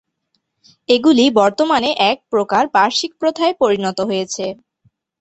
এগুলি বর্তমানে এক প্রকার বার্ষিক প্রথায় পরিণত হয়েছে।